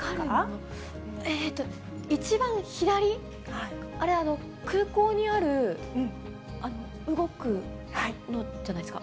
えーと、一番左、あれ、空港にある動くのじゃないですか？